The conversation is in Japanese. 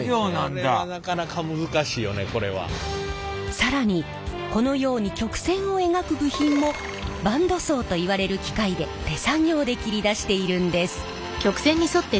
更にこのように曲線を描く部品もバンドソーといわれる機械で手作業で切り出しているんです。